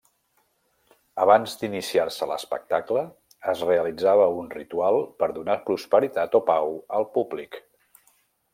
Abans d'iniciar-se l'espectacle es realitzava un ritual per donar prosperitat o pau al públic.